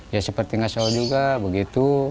ya seperti ngasau juga begitu